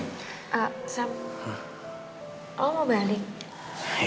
iya lagi sekarang kan udah malam